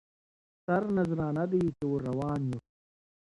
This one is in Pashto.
سرنذرانه دی چي ور روان یو